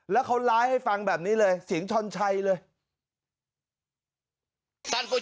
แล้วเขาไลฟ์ให้ฟังแบบนี้เลยเสียงชอนชัยเลย